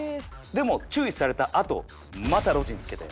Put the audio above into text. でも注意されたあとまたロジン付けて。